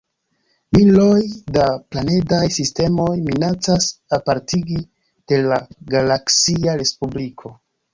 Miloj da planedaj sistemoj minacas apartigi de la galaksia respubliko.